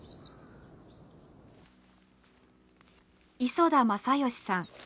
磯田正義さん。